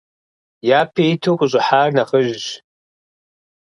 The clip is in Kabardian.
Япэ иту къыщӏыхьар нэхъыжьщ.